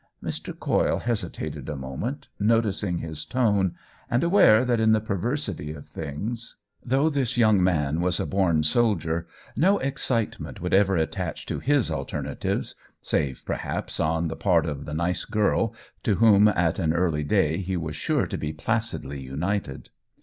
Mr. Coyle hesitated a moment, noting his tone and aware that in the perversity of things, though this young man was a born soldier, no excitement would ever attach to his alternatives save, perhaps, on the part of the nice girl to whom at an early day he was sure to be placidly united.